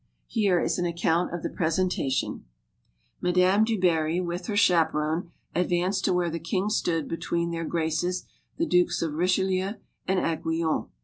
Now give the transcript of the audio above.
Here is an account of the presentation: Madame du Barry, with her chaperon, advanced to where the king stood bet ween their graces, the Dues of Richelieu and Aigullon.